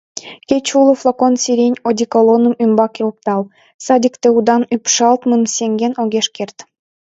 Кеч уло флакон «Сирень» одеколоным ӱмбаке оптал, садикте удан ӱпшалтмым сеҥен огеш керт.